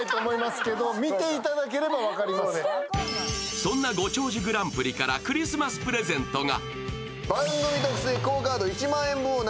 そんな「ご長寿グランプリ」からクリスマスプレゼントが。